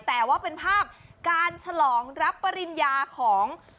แต่ว่าเป็นภาพการฉลองรับปริญญาของ